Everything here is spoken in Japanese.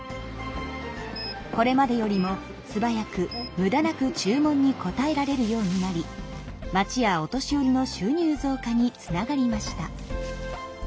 これまでよりもすばやくむだなく注文に応えられるようになり町やお年寄りの収入増加につながりました。